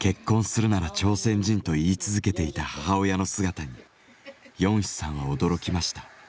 結婚するなら朝鮮人と言い続けていた母親の姿にヨンヒさんは驚きました。